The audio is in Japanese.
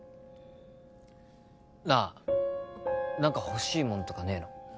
なあ何か欲しいもんとかねえの？